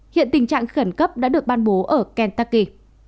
hiện tình trạng khẩn cấp đã được ban bố ở kentaki